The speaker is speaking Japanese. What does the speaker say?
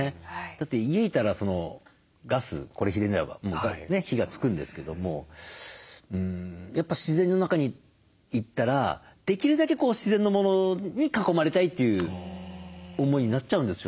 だって家いたらガスこれひねれば火がつくんですけどもやっぱ自然の中に行ったらできるだけ自然のものに囲まれたいという思いになっちゃうんですよね。